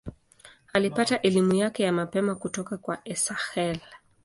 Alipata elimu yake ya mapema kutoka kwa Esakhel.